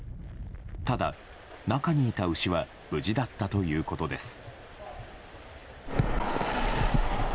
ただ、中にいた牛は無事だったということです。